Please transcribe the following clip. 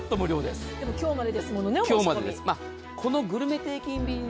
でも今日までですものね。